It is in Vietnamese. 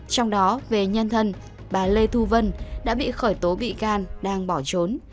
trong đó về nhân thân bà lê thu vân đã bị khởi tố bị can đang bỏ trốn